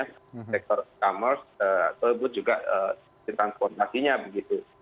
sektor e commerce tersebut juga ditransformasinya begitu